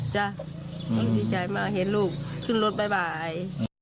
ดีใจมากเห็นลูกขึ้นรถบ่าย